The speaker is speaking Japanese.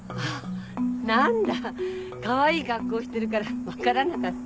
何だかわいい格好してるから分からなかった。